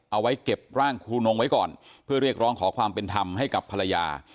เอาไว้เก็บร่างครูนงไว้ก่อนเพื่อเรียกร้องขอความเป็นธรรมให้กับภรรยา